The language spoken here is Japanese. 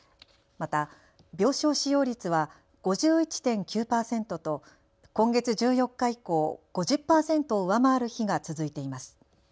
また、病床使用率は５１．９％と今月１４日以降、５０％を上回る日が続いています。